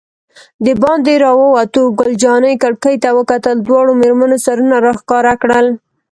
دباندې راووتو، ګل جانې کړکۍ ته وکتل، دواړو مېرمنو سرونه را ښکاره کړل.